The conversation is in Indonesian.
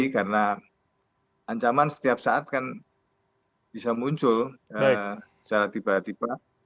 karena ancaman setiap saat kan bisa muncul secara tiba tiba